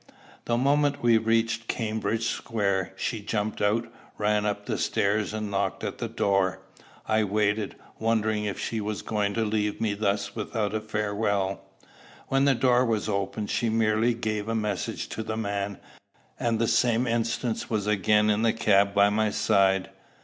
The moment we reached Cambridge Square she jumped out, ran up the steps, and knocked at the door. I waited, wondering if she was going to leave me thus without a farewell. When the door was opened, she merely gave a message to the man, and the same instant was again in the cab by my side.